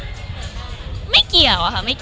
มันคิดว่าจะเป็นรายการหรือไม่มี